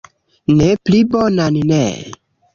Ne, pli bonan ne!